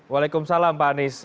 waalaikumsalam pak anies